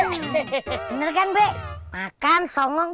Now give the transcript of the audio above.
bener kan bek makan songong